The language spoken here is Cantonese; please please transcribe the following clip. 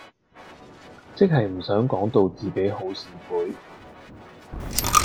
即係唔想講到自己好市儈